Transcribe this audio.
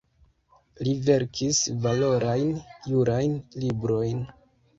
Li verkis valorajn jurajn librojn.